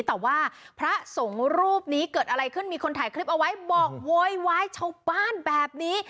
แต่ว่าพระสงฆ์รูปนี้เกิดอะไรขึ้นมีคนถ่ายคลิปเอาไว้บอกโวยวายชาวบ้านแบบนี้